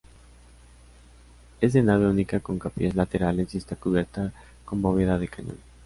Es de nave única con capillas laterales y está cubierta con bóveda de cañón.